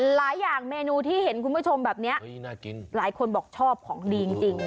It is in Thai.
หลายอย่างเมนูที่เห็นคุณผู้ชมแบบนี้น่ากินหลายคนบอกชอบของดีจริง